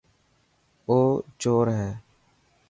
او چور هي.